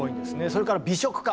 それから美食家